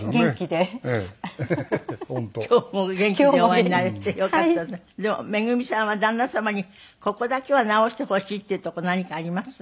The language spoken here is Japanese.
でもめぐみさんは旦那様にここだけは直してほしいっていうとこ何かあります？